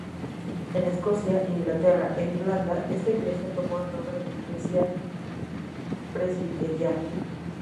En Escocia, Inglaterra e Irlanda esta iglesia tomó el nombre de Iglesia Presbiteriana.